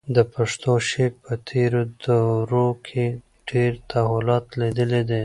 د پښتو شعر په تېرو دورو کې ډېر تحولات لیدلي دي.